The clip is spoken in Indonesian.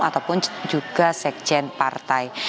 ataupun juga sekjen partai